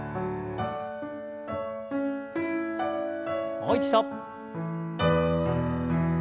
もう一度。